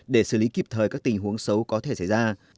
để xử lý kịp thời các tình huống xấu có thể xảy ra